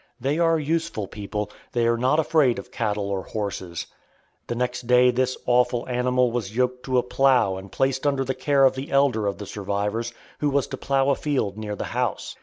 They are useful people. They are not afraid of cattle or horses. The next day this awful animal was yoked to a plow and placed under the care of the elder of the survivors, who was to plow a field near the house.